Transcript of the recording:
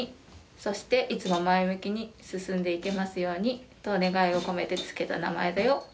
そしていつも前向きに進んでいけますようにと願いを込めて付けた名前だよ。